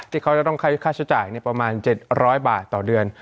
ที่เขาจะต้องค่าใช้จ่ายประมาณ๗๐๐บาทต่อเดือน